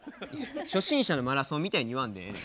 初心者のマラソンみたいに言わんでええねん。